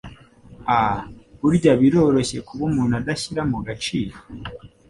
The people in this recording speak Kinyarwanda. Ah burya biroroshye kuba umuntu udashyira mu gaciro